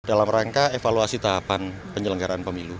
dalam rangka evaluasi tahapan penyelenggaraan pemilu